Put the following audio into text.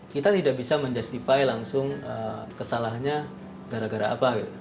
kita tidak bisa menjustify langsung kesalahannya gara gara apa